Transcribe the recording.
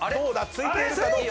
付いているかどうか。